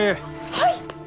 はい！